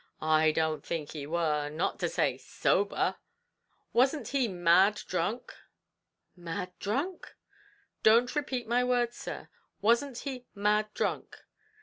"I don't think he war not to say sober." "Wasn't he mad drunk?" "Mad dhrunk?" "Don't repeat my words, sir; wasn't he mad drunk?"